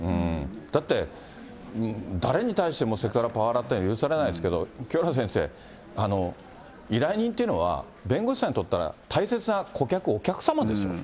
だって、誰に対してもセクハラ、パワハラというのは許されないですけど、清原先生、依頼人っていうのは、弁護士さんにとったら大切な顧客、お客様ですよね。